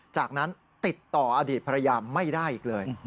จากนั้นติดต่ออดีตภรรยาไม่ได้อีกเลย